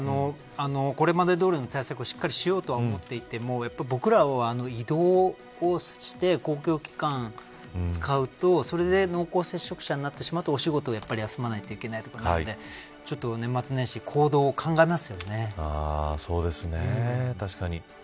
これまでどおりの対策をしっかりしようとは思っていてもやっぱり僕らは移動をして公共機関使うとそれで濃厚接触者になってしまうとお仕事を休まないといけないとかなってそうですよね、確かに。